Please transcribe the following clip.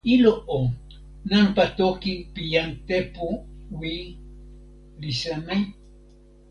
ilo o, nanpa toki pi jan Tepu Wi li seme?